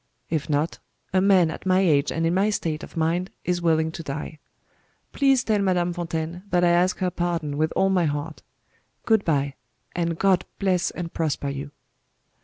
If not, a man at my age and in my state of mind is willing to die. Please tell Madame Fontaine that I ask her pardon with all my heart. Good bye and God bless and prosper you."